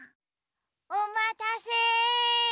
おまたせ！